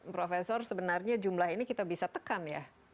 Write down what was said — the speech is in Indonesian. profesor sebenarnya jumlah ini kita bisa tekan ya